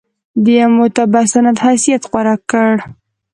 د یوه معتبر سند حیثیت غوره کړ.